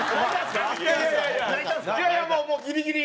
いやいやもうもうギリギリ。